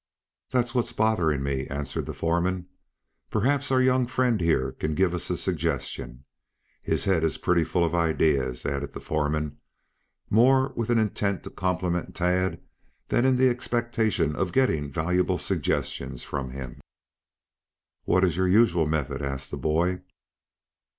"That's what's bothering me," answered the foreman. "Perhaps our young friend here can give us a suggestion. His head is pretty full of ideas," added the foreman, more with an intent to compliment Tad than in the expectation of getting valuable suggestions from him. "What is your usual method?" asked the boy.